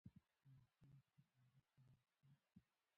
آیا خلک یې زیارت ته ورځي؟